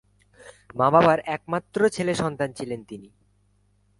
মা-বাবার একমাত্র ছেলে সন্তান ছিলেন তিনি।